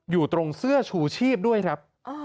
อยู่ตรงเสื้อชูชีพด้วยครับ